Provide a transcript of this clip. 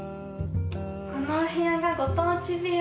このお部屋がご当地部屋